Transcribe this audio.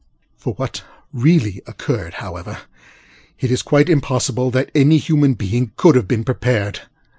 For what really occurred, however, it is quite impossible that any human being could have been prepared.